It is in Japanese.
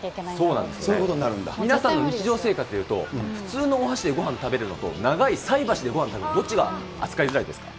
皆さんの日常生活でいうと、普通のお箸でごはん食べるのと、長い菜箸でごはん食べるのとどっちが扱いづらいですか？